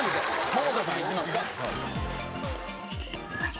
百田さんいきますか？